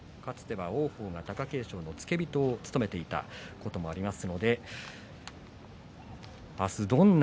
王鵬が貴景勝の付け人を務めていたこともあります。